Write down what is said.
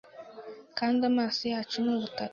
Kandi amaso yacu ni ubutaka